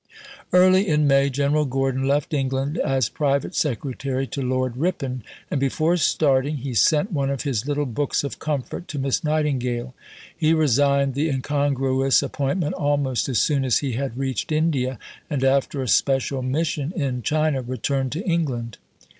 To Captain Galton, August 21, 1880. Early in May General Gordon left England as private secretary to Lord Ripon, and before starting he sent one of his "little books of comfort" to Miss Nightingale. He resigned the incongruous appointment almost as soon as he had reached India, and after a special mission in China returned to England.